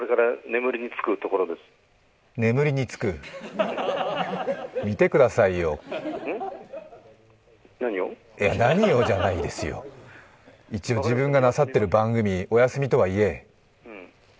眠りにつく、見てくださいよ何をじゃないですよ、一応自分が出ている番組、お休みとはいえ。